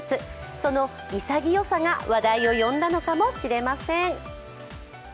その潔さが話題を呼んだのかもしれません。